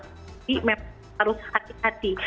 jadi memang harus hati hati